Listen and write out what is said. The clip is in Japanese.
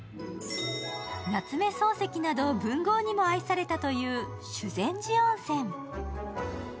夏目漱石など、文豪にも愛されたという修善寺温泉。